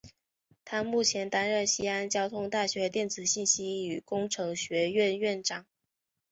他目前担任西安交通大学电子信息与工程学院院长。